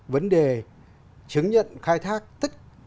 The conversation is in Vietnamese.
vấn đề chứng nhận khai thác tức